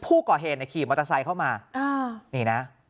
ผู้ก่อเหตุขี่มอเตอร์ไซค์เข้ามานี่นะ